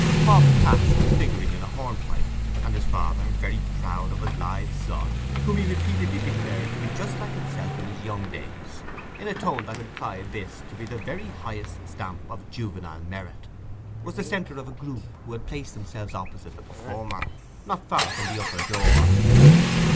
Bob Cass was figuring in a hornpipe, and his father, very proud of this lithe son, whom he repeatedly declared to be just like himself in his young days in a tone that implied this to be the very highest stamp of juvenile merit, was the centre of a group who had placed themselves opposite the performer, not far from the upper door.